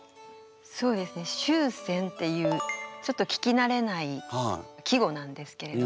そうですね「秋蝉」っていうちょっと聞き慣れない季語なんですけれども。